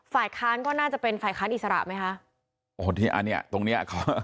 ฝ่ายค้านก็น่าจะเป็นฝ่ายค้านอิสระไหมคะโอ้ดิตรงนี้ค่ะ